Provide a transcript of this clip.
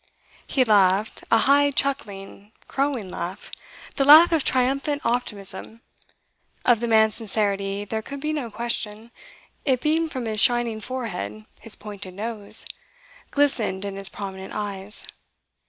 He laughed; a high, chuckling, crowing laugh; the laugh of triumphant optimism. Of the man's sincerity there could be no question; it beamed from his shining forehead, his pointed nose; glistened in his prominent eyes.